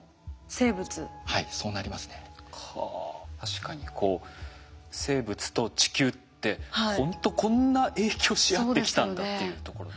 確かにこう生物と地球ってほんとこんな影響し合ってきたんだっていうところ。